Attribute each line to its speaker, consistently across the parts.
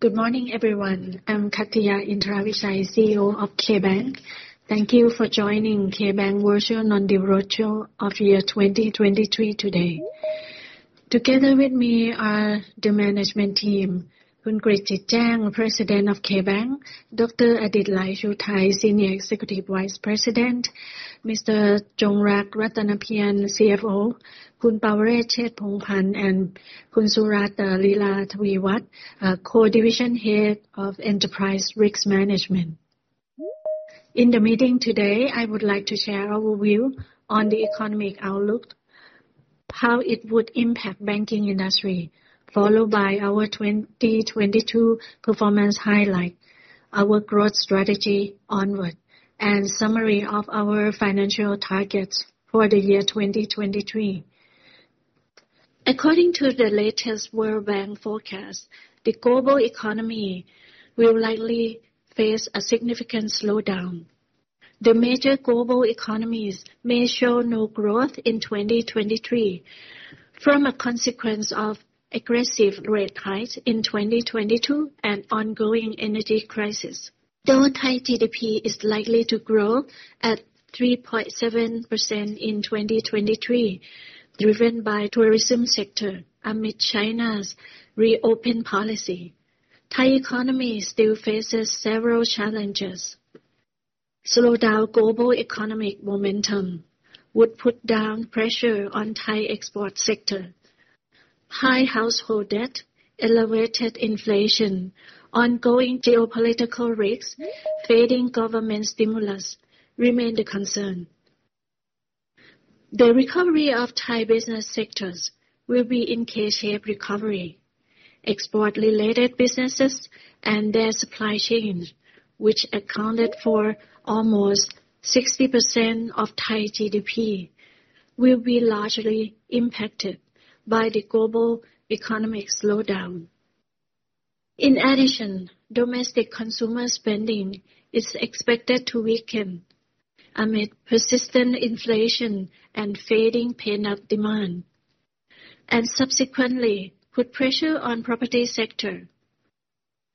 Speaker 1: Good morning, everyone. I'm Kattiya Indaravijaya, CEO of KBank. Thank you for joining KBank Virtual Non-Deal Roadshow of year 2023 today. Together with me are the management team, Khun Krit Jitjang, President of KBank, Dr. Adit Laixuthai, Senior Executive Vice President, Mr. Chongrak Rattanapian, CFO, Khun Porvarate Chetphongphan, and Khun Surat Leelataviwat, Co-Division Head of Enterprise Risk Management. In the meeting today, I would like to share our view on the economic outlook, how it would impact banking industry, followed by our 2022 performance highlight, our growth strategy onward, and summary of our financial targets for the year 2023. According to the latest World Bank forecast, the global economy will likely face a significant slowdown. The major global economies may show no growth in 2023 from a consequence of aggressive rate hikes in 2022 and ongoing energy crisis. Though Thai GDP is likely to grow at 3.7% in 2023, driven by tourism sector amid China's reopen policy. Thai economy still faces several challenges. Slowed down global economic momentum would put down pressure on Thai export sector. High household debt, elevated inflation, ongoing geopolitical risks, fading government stimulus remain the concern. The recovery of Thai business sectors will be in K-shaped recovery. Export-related businesses and their supply chains, which accounted for almost 60% of Thai GDP, will be largely impacted by the global economic slowdown. In addition, domestic consumer spending is expected to weaken amid persistent inflation and fading pent-up demand, and subsequently put pressure on property sector.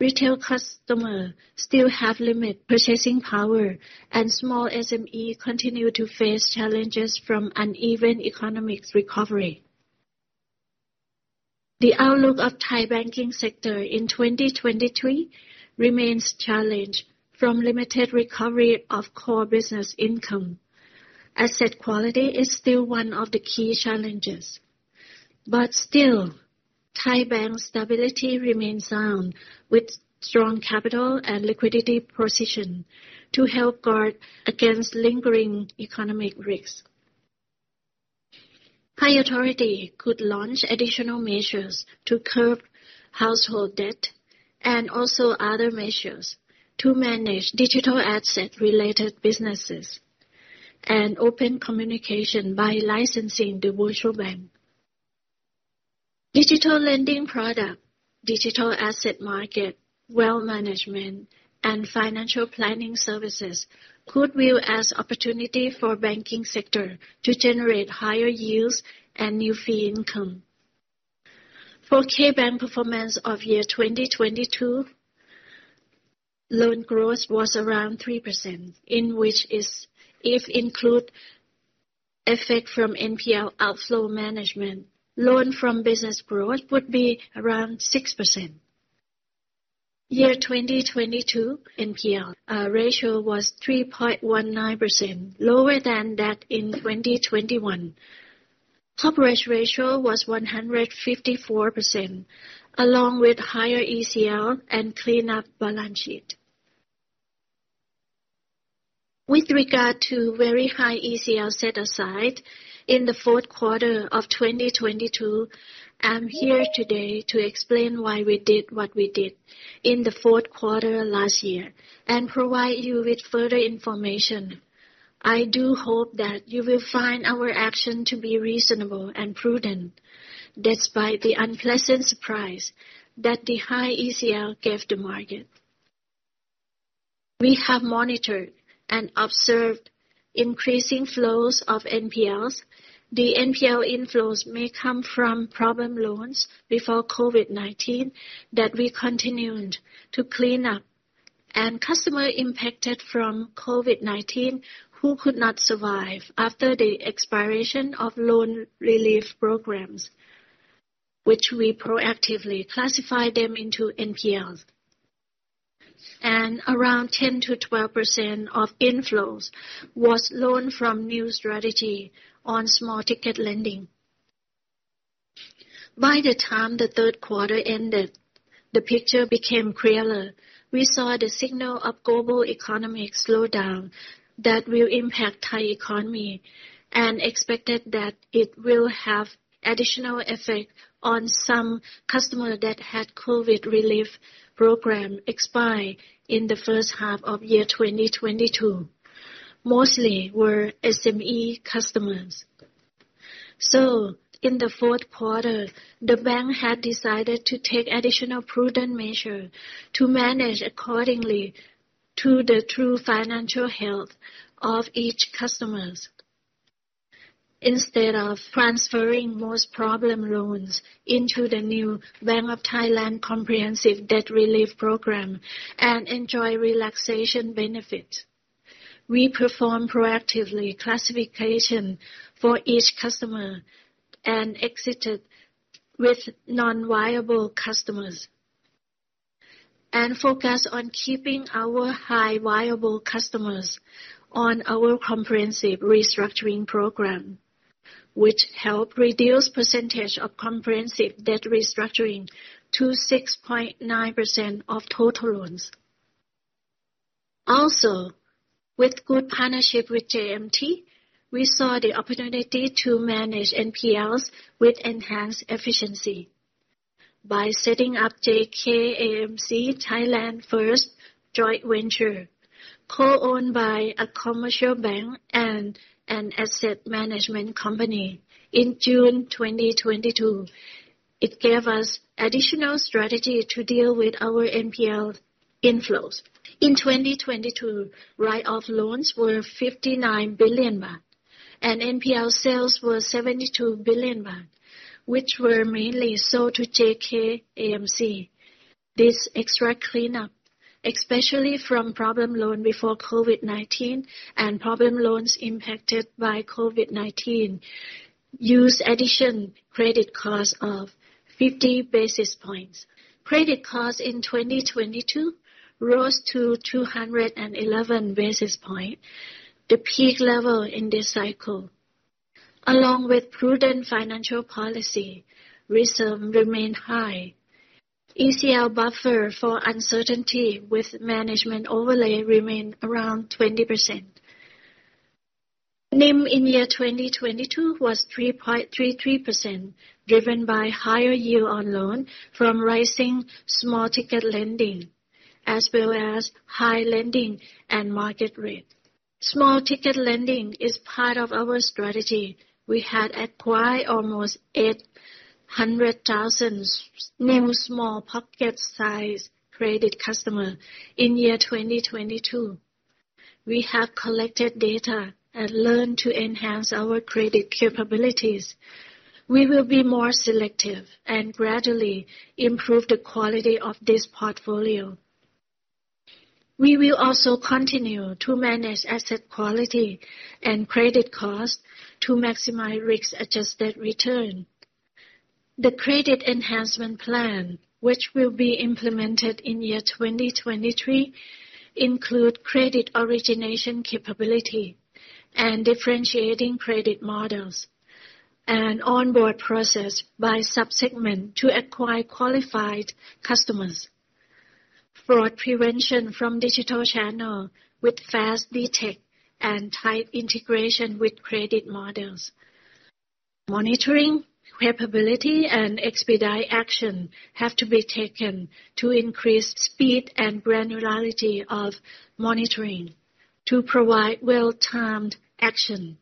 Speaker 1: Retail customer still have limited purchasing power, and small SME continue to face challenges from uneven economic recovery. The outlook of Thai banking sector in 2023 remains challenged from limited recovery of core business income. Asset quality is still one of the key challenges. Thai bank stability remains sound with strong capital and liquidity position to help guard against lingering economic risks. Thai authority could launch additional measures to curb household debt and also other measures to manage digital asset related businesses and open communication by licensing the virtual bank. Digital lending product, digital asset market, wealth management, and financial planning services could view as opportunity for banking sector to generate higher yields and new fee income. KBank performance of year 2022, Loan Growth was around 3%, in which is if include effect from NPL outflow management, loan from business growth would be around 6%. Year 2022 NPL ratio was 3.19%, lower than that in 2021. Coverage ratio was 154%, along with higher ECL and cleaned-up balance sheet. With regard to very high ECL set aside in the fourth quarter of 2022, I'm here today to explain why we did what we did in the fourth quarter last year and provide you with further information. I do hope that you will find our action to be reasonable and prudent despite the unpleasant surprise that the high ECLgave the market. We have monitored and observed increasing flows of NPLs. The NPL inflows may come from problem loans before COVID-19 that we continued to clean up and customer impacted from COVID-19 who could not survive after the expiration of loan relief programs, which we proactively classified them into NPLs. Around 10%-12% of inflows was loan from new strategy on small ticket lending. By the time the third quarter ended, the picture became clearer. We saw the signal of global economic slowdown that will impact Thai economy and expected that it will have additional effect on some customer that had COVID relief program expire in the first half of 2022. Mostly were SME customers. In the fourth quarter, the bank had decided to take additional prudent measure to manage accordingly to the true financial health of each customers. Instead of transferring most problem loans into the new Bank of Thailand Comprehensive Debt Relief Program and enjoy relaxation benefits, we perform proactively classification for each customer and exited with non-viable customers, and focus on keeping our high viable customers on our comprehensive restructuring program, which help reduce percentage of comprehensive debt restructuring to 6.9% of total loans. With good partnership with JMT, we saw the opportunity to manage NPLs with enhanced efficiency by setting up JKAMC, Thailand's first joint venture co-owned by a commercial bank and an asset management company in June 2022. It gave us additional strategy to deal with our NPL inflows. In 2022, write-off loans were 59 billion baht and NPL sales were 72 billion baht, which were mainly sold to JKAMC. This extra cleanup, especially from problem loan before COVID-19 and problem loans impacted by COVID-19, use addition credit cost of 50 basis points. Credit cost in 2022 rose to 211 basis points, the peak level in this cycle. Along with prudent financial policy, reserve remained high. ECL buffer for uncertainty with management overlay remained around 20%. NIM in year 2022 was 3.33%, driven by higher yield on loan from rising small ticket lending, as well as high lending and market rate. Small ticket lending is part of our strategy. We had acquired almost 800,000 new small pocket-sized credit customer in year 2022. We have collected data and learned to enhance our credit capabilities. We will be more selective and gradually improve the quality of this portfolio. We will also continue to manage asset quality and credit cost to maximize Risk-Adjusted Return. The credit enhancement plan, which will be implemented in year 2023, include credit origination capability and differentiating credit models, and onboard process by subsegment to acquire qualified customers. Fraud prevention from digital channel with fast detect and tight integration with credit models. Monitoring capability and expedite action have to be taken to increase speed and granularity of monitoring to provide well-timed action.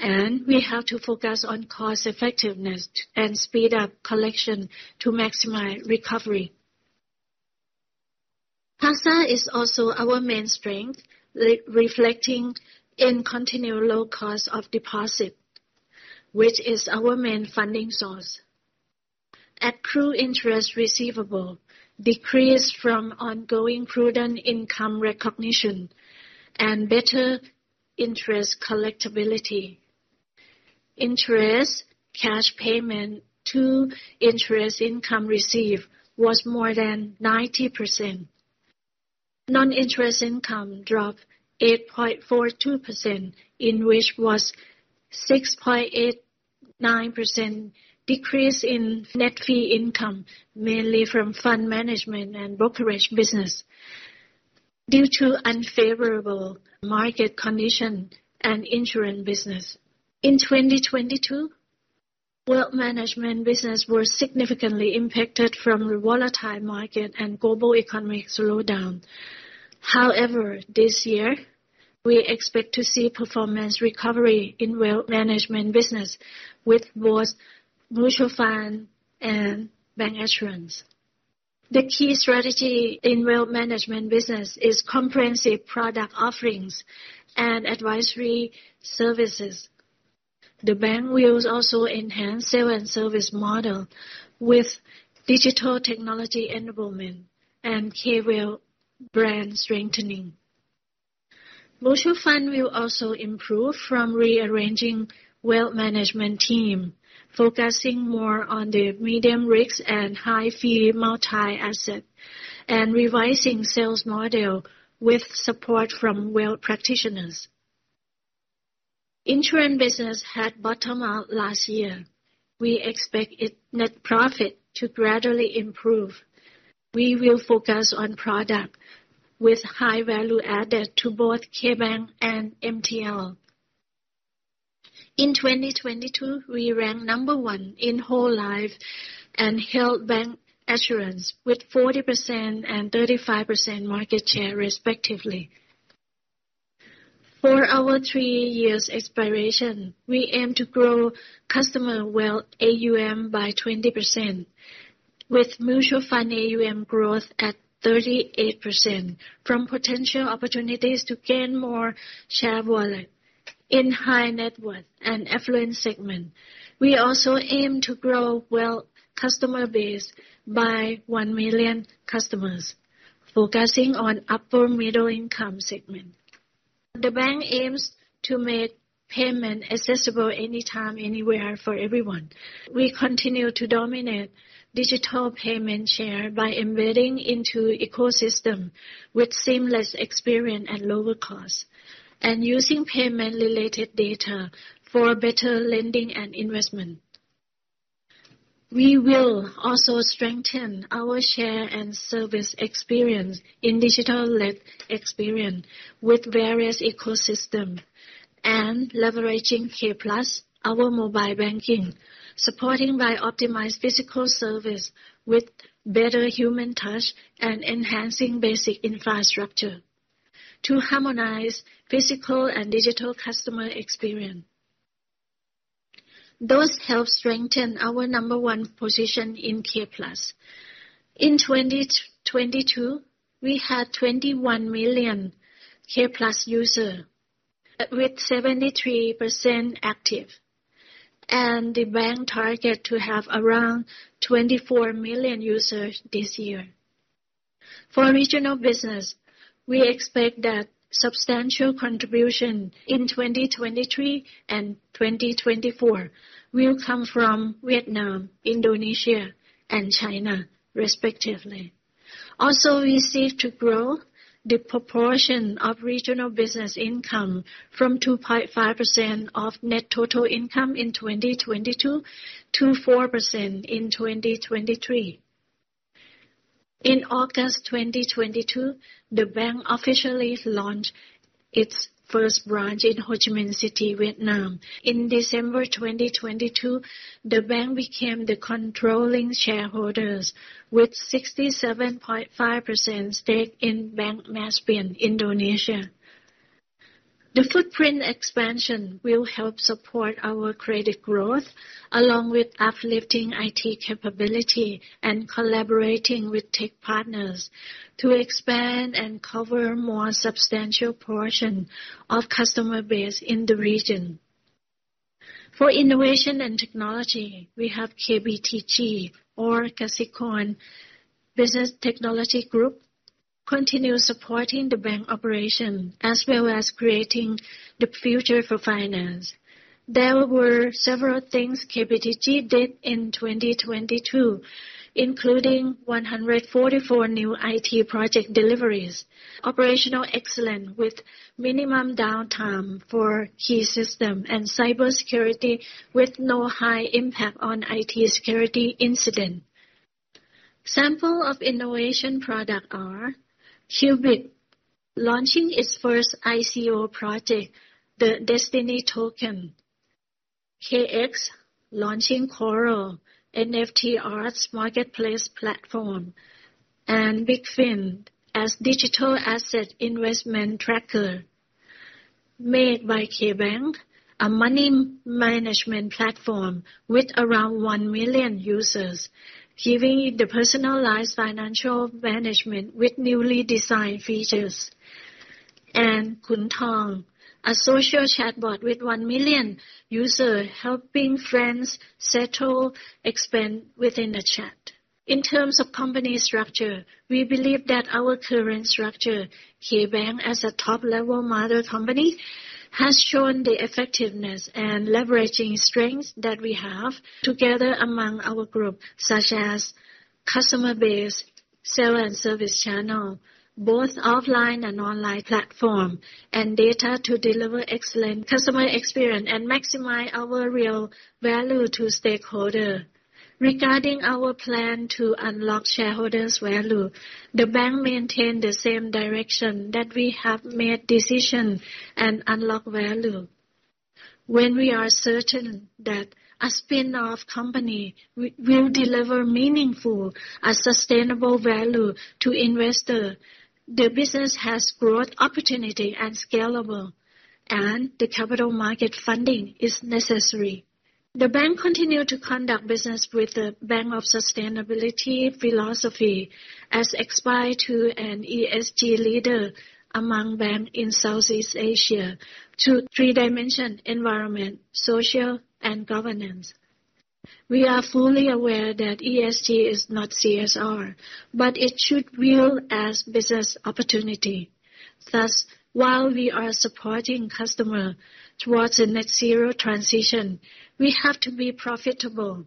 Speaker 1: We have to focus on cost effectiveness and speed up collection to maximize recovery. CASA is also our main strength, re-reflecting in continual low cost of deposit, which is our main funding source. Accrued interest receivable decreased from ongoing prudent income recognition and better interest collectability. Interest cash payment to interest income received was more than 90%. Non-interest income dropped 8.42%, in which was 6.89% decrease in net fee income, mainly from fund management and brokerage business due to unfavorable market condition and insurance business. In 2022, wealth management business was significantly impacted from the volatile market and global economic slowdown. However, this year, we expect to see performance recovery in wealth management business with both mutual fund and bancassurance. The key strategy in wealth management business is comprehensive product offerings and advisory services. The bank will also enhance sale and service model with digital technology enablement and K-Wealth brand strengthening. Mutual fund will also improve from rearranging wealth management team, focusing more on the medium risk and high fee multi-asset, and revising sales model with support from wealth practitioners. Insurance business had bottom out last year. We expect its net profit to gradually improve. We will focus on product with high value added to both KBank and MTL. In 2022, we ranked number one in whole life and health bancassurance with 40% and 35% market share respectively. For our three years expiration, we aim to grow customer wealth AUM by 20%. With mutual fund AUM growth at 38% from potential opportunities to gain more share wallet in high net worth and affluent segment. We also aim to grow wealth customer base by 1 million customers, focusing on upper middle income segment. The bank aims to make payment accessible anytime, anywhere for everyone. We continue to dominate digital payment share by embedding into ecosystem with seamless experience at lower cost and using payment related data for better lending and investment. We will also strengthen our share and service experience in digital-led experience with various ecosystem and leveraging K PLUS, our mobile banking, supporting by optimized physical service with better human touch and enhancing basic infrastructure to harmonize physical and digital customer experience. Those help strengthen our number one position in K PLUS. In 2022, we had 21 million K PLUS user with 73% active, the bank target to have around 24 million users this year. For regional business, we expect that substantial contribution in 2023 and 2024 will come from Vietnam, Indonesia, and China, respectively. We seek to grow the proportion of regional business income from 2.5% of net total income in 2022 to 4% in 2023. In August 2022, the bank officially launched its first branch in Ho Chi Minh City, Vietnam. In December 2022, the bank became the controlling shareholders with 67.5% stake in Bank Maspion, Indonesia. The footprint expansion will help support our credit growth, along with uplifting IT capability and collaborating with tech partners to expand and cover more substantial portion of customer base in the region. For innovation and technology, we have KBTG or KASIKORN Business-Technology Group continue supporting the bank operation as well as creating the future for finance. There were several things KBTG did in 2022, including 144 new IT project deliveries, operational excellence with minimum downtime for key system and cybersecurity with no high impact on IT security incident. Sample of innovation product are Kubix launching its first ICO project, the DESTINY TOKEN. KX launching Coral, NFT arts marketplace platform. Bigfin as digital asset investment tracker. MAKE by KBank, a money management platform with around 1 million users giving the personalized financial management with newly designed features. KhunThong, a social chatbot with 1 million user helping friends settle expense within the chat. In terms of company structure, we believe that our current structure, KBank as a top level model company, has shown the effectiveness and leveraging strengths that we have together among our group, such as customer base, sale and service channel, both offline and online platform, and data to deliver excellent customer experience and maximize our real value to stakeholder. Regarding our plan to unlock shareholders value, the bank maintain the same direction that we have made decision and unlock value. When we are certain that a spin-off company will deliver meaningful and sustainable value to investor, the business has growth opportunity and scalable, and the capital market funding is necessary. The bank continue to conduct business with the bank of sustainability philosophy as aspire to an ESG leader among bank in Southeast Asia to three-dimension environment, social and governance. We are fully aware that ESG is not CSR, it should viewed as business opportunity. While we are supporting customer towards a net zero transition, we have to be profitable,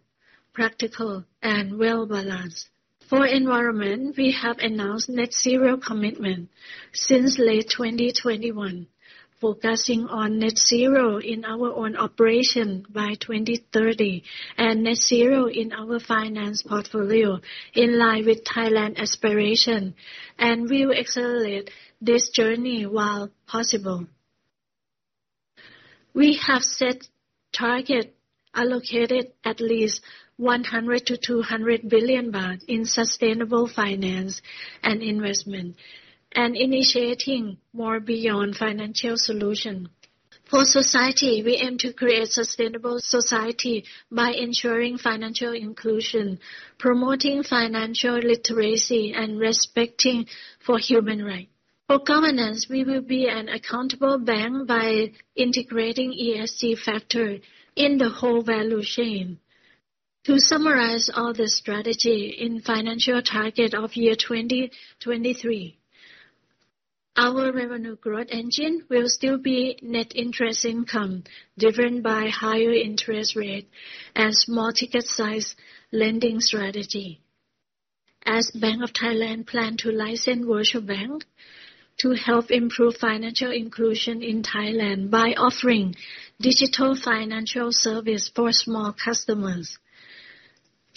Speaker 1: practical and well balanced. For environment, we have announced net zero commitment since late 2021, focusing on net zero in our own operation by 2030 and net zero in our finance portfolio in line with Thailand aspiration and will accelerate this journey while possible. We have set target allocated at least 100 billion-200 billion baht in sustainable finance and investment and initiating more beyond financial solution. For society, we aim to create sustainable society by ensuring financial inclusion, promoting financial literacy, and respecting for human rights. For governance, we will be an accountable bank by integrating ESG factor in the whole value chain. To summarize all the strategy in financial target of year 2023, our revenue growth engine will still be net interest income, driven by higher interest rate and small ticket size lending strategy. As Bank of Thailand plan to license virtual bank to help improve financial inclusion in Thailand by offering digital financial service for small customers.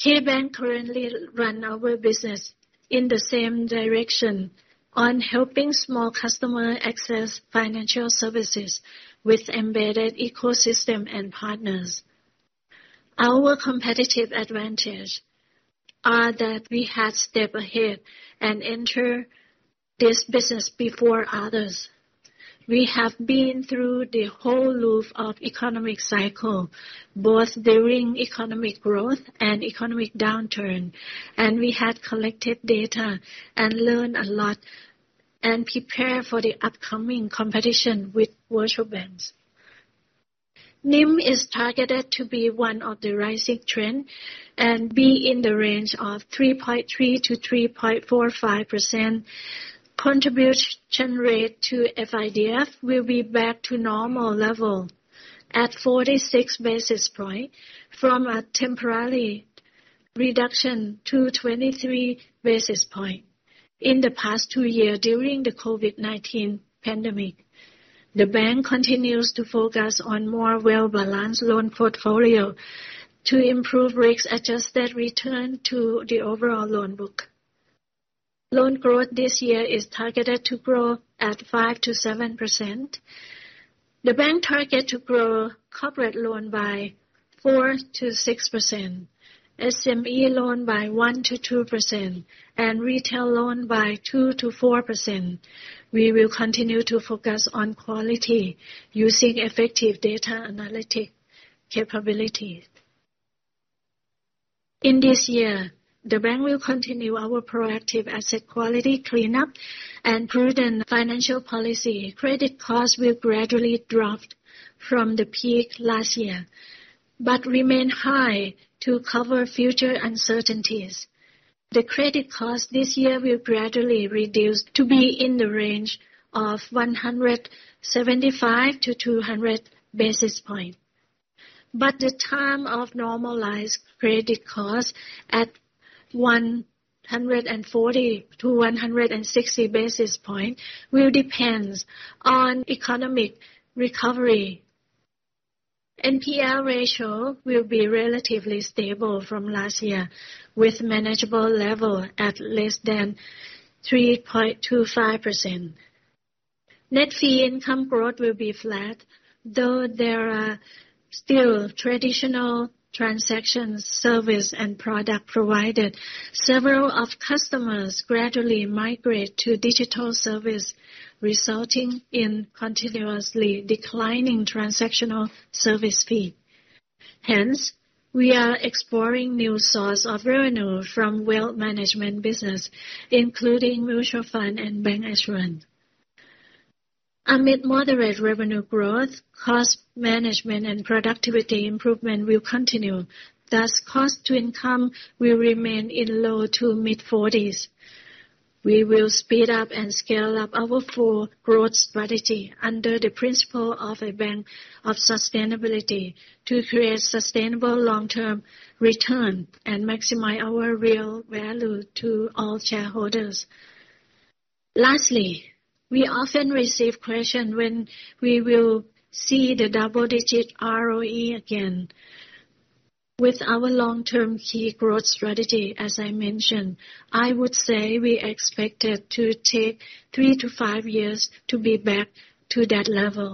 Speaker 1: KBank currently run our business in the same direction on helping small customer access financial services with embedded ecosystem and partners. Our competitive advantage are that we have stepped ahead and enter this business before others. We have been through the whole loop of economic cycle, both during economic growth and economic downturn, and we have collected data and learned a lot and prepare for the upcoming competition with virtual banks. NIM is targeted to be one of the rising trend and be in the range of 3.3%-3.45%. Contribution rate to FIDF will be back to normal level at 46 basis point from a temporary reduction to 23 basis point. In the past two year during the COVID-19 pandemic, the bank continues to focus on more well-balanced loan portfolio to improve Risk-Adjusted Return to the overall loan book. Loan Growth this year is targeted to grow at 5%-7%. The bank target to grow corporate loan by 4%-6%, SME loan by 1%-2%, and retail loan by 2%-4%. We will continue to focus on quality using effective data analytic capability. In this year, the bank will continue our proactive asset quality cleanup and prudent financial policy. Credit costs will gradually drop from the peak last year but remain high to cover future uncertainties. The credit cost this year will gradually reduce to be in the range of 175-200 basis point. The time of normalized credit cost at 140-160 basis point will depends on economic recovery. NPL ratio will be relatively stable from last year with manageable level at less than 3.25%. Net fee income growth will be flat, though there are still traditional transaction service and product provided. Several of customers gradually migrate to digital service, resulting in continuously declining transactional service fee. Hence, we are exploring new source of revenue from wealth management business, including mutual fund and bancassurance. Amid moderate revenue growth, cost management and productivity improvement will continue cost-to-income will remain in low to mid-40s. We will speed up and scale up our full growth strategy under the principle of a bank of sustainability to create sustainable long-term return and maximize our real value to all shareholders. We often receive question when we will see the double-digit ROE again. With our long-term key growth strategy, as I mentioned, I would say we expected to take three to five years to be back to that level.